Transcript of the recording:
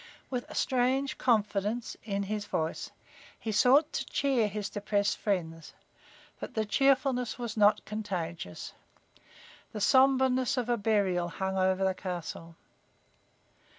With a strange confidence in his voice, he sought to cheer his depressed friends, but the cheerfulness was not contagious. The sombreness of a burial hung over the castle.